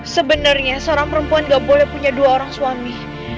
sebenarnya seorang perempuan gak boleh punya dua orang suami